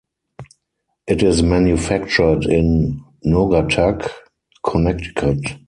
It is manufactured in Naugatuck, Connecticut.